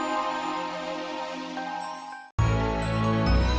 sampai jumpa lagi